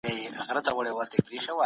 اقتصادي خوځښت ورځ تر بلې پراخيده.